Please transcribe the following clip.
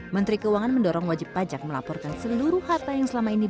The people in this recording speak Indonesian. menteri keuangan mendorong wajib pajak melaporkan seluruh harta yang selama ini